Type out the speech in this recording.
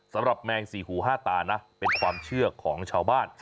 แมงสี่หูห้าตานะเป็นความเชื่อของชาวบ้าน